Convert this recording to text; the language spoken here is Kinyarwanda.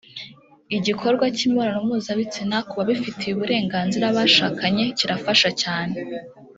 Igikorwa cy’imibonano mpuzabitsina ku babifitiye uburenganzira bashakanye kirafasha cyane